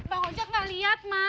mbak ojak gak liat ma